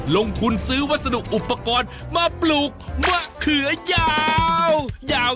ลงทุนซื้อวัสดุอุปกรณ์มาปลูกมะเขือยาว